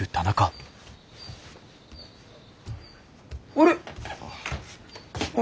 あれ？